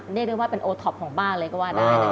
เรียกได้ว่าเป็นโอท็อปของบ้านเลยก็ว่าได้นะคะ